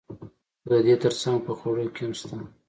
خو د دې ترڅنګ په خوړو کې هم شته.